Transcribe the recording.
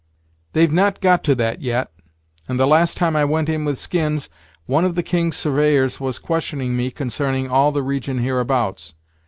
"They've not got to that, yet; and the last time I went in with skins, one of the King's surveyors was questioning me consarning all the region hereabouts.